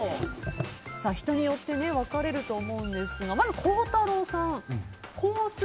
人によって分かれると思うんですがまず孝太郎さん、コース